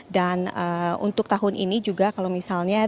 dan untuk tahun ini juga kalau misalnya